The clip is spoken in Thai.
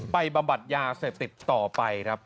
บำบัดยาเสพติดต่อไปครับ